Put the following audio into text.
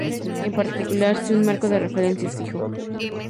En particular, si un marco de referencia es fijo.